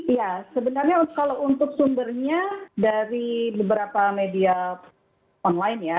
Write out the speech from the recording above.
ya sebenarnya kalau untuk sumbernya dari beberapa media online ya